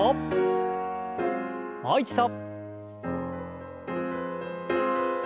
もう一度。